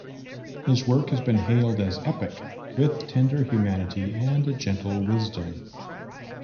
His work has been hailed as epic, with tender humanity and a gentle wisdom.